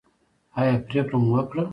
ایا پریکړه مو وکړه؟